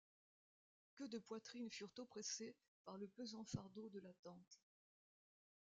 Que de poitrines furent oppressées par le pesant fardeau de l’attente!